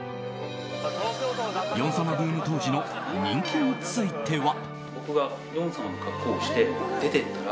ヨン様ブーム当時の人気については。